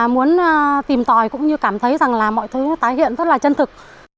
muốn tìm tòi cũng như cảm thấy rằng là mọi thứ tái hiện rất là chân thực